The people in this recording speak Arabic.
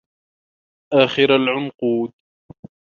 آخر العنقود